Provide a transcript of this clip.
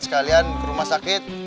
sekalian ke rumah sakit